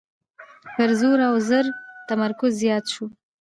پر زور او زر تمرکز زیات شو.